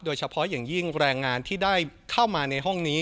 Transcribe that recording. โดยเฉพาะอย่างยิ่งแรงงานที่ได้เข้ามาในห้องนี้